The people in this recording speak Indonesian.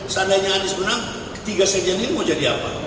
seandainya anies menang ketiga sejenis mau jadi apa